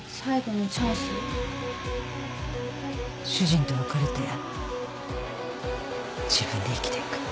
主人と別れて自分で生きていく。